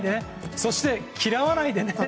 そして嫌わないでね。